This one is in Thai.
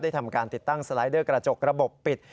ทำการติดตั้งสไลเดอร์กระจกระบบปิด